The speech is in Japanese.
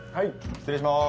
・失礼します。